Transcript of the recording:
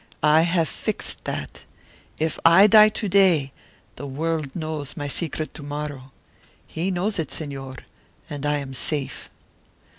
I have fixed that. If I die to day, the world knows my secret to morrow. He knows it, Señor, and I am safe."